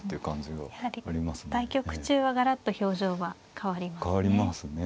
やはり対局中はガラッと表情は変わりますね。